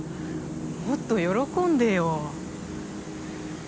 もっと喜んでよ。